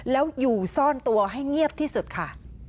แล้วอยู่ซ่อนตัวให้เงียบที่สุดค่ะ